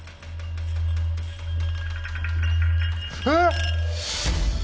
えっ！